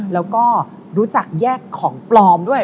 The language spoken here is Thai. แล้วก็รู้จักแยกของปลอมด้วย